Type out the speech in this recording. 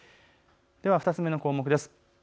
２つ目の項目です。